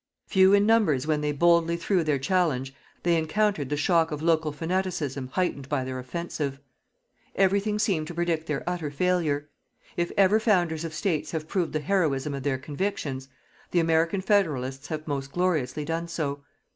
Few in numbers when they boldly threw their challenge, they encountered the shock of local fanaticism heightened by their offensive. Everything seemed to predict their utter failure. If ever Founders of States have proved the heroism of their convictions, the American Federalists have most gloriously done so.